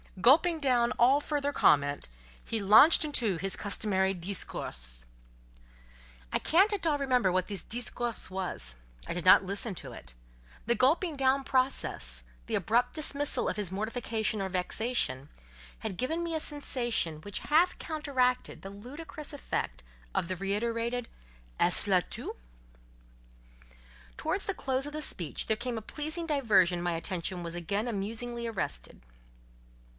Gulping down all further comment, he launched into his customary "discours." I can't at all remember what this "discours" was; I did not listen to it: the gulping down process, the abrupt dismissal of his mortification or vexation, had given me a sensation which half counteracted the ludicrous effect of the reiterated "Est ce là tout?" Towards the close of the speech there came a pleasing diversion my attention was again amusingly arrested.